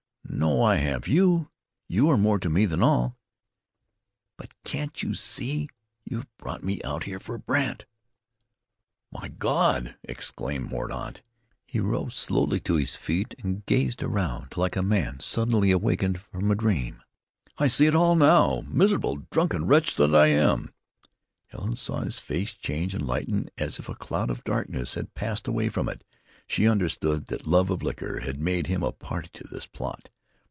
"No, I have you. You are more to me than all." "But can't you see? You've brought me out here for Brandt!" "My God!" exclaimed Mordaunt. He rose slowly to his feet and gazed around like a man suddenly wakened from a dream. "I see it all now! Miserable, drunken wretch that I am!" Helen saw his face change and lighten as if a cloud of darkness had passed away from it. She understood that love of liquor had made him a party to this plot.